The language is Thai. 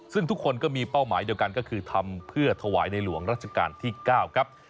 ซึ่งทุกคนก็มีเป้าหมายเดียวกันก็คือทำเพื่อถวายในหลวงราชการที่๙ครับ